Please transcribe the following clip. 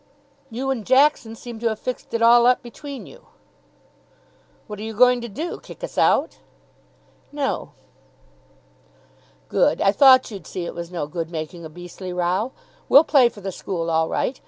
"You and Jackson seem to have fixed it all up between you." "What are you going to do? Kick us out?" "No." "Good. I thought you'd see it was no good making a beastly row. We'll play for the school all right.